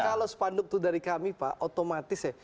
kalau sepanduk itu dari kami pak otomatis ya